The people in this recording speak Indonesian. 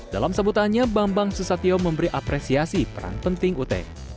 dalam sebutannya bambang susatyo memberi apresiasi peran penting ut